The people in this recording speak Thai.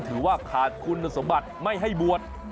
ถือว่าขาดคุณสมบัติไม่ให้บวช